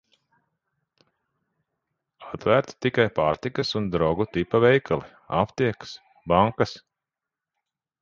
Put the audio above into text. Atvērti tikai pārtikas un "Drogu" tipa veikali, aptiekas, bankas.